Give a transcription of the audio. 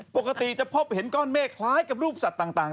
ปกติจะพบเห็นก้อนเมฆคล้ายกับรูปสัตว์ต่าง